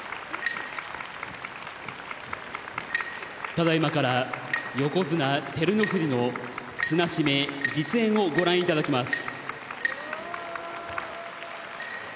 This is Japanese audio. ただいまから横綱照ノ富士の綱締め実演をご覧頂きます。